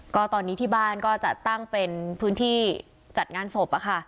ก็ตอนนี้ที่บ้านก็จะตั้งเป็นพื้นที่จัดงานศพ